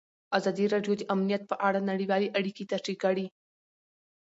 ازادي راډیو د امنیت په اړه نړیوالې اړیکې تشریح کړي.